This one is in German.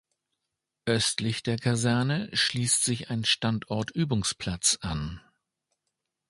Östlich der Kaserne schließt sich ein Standortübungsplatz an.